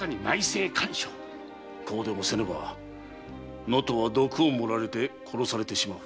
こうでもせねば能登は毒を盛られて殺されてしまう。